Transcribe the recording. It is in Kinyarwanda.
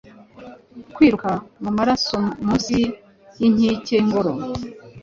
Kwiruka mumaraso munsi yinkike yingoro.